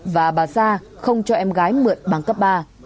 và bà sa không cho em gái mượn bằng cấp ba